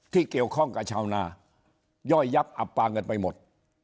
ที่เกี่ยวข้องกับชาวนาย่อยยับอับปางกันไปหมด